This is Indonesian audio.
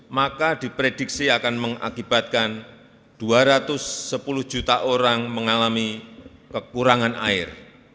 maka diprediksi akan mengakibatkan dua ratus sepuluh juta orang mengalami kekurangan air